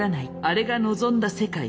「あれが望んだ世界？